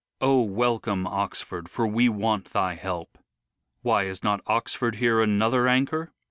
"Ol welcome Oxford, for we want thy help." '' Why, is not Oxford here another anchor